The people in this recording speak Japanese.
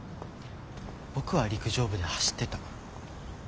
僕は陸上部で走ってた。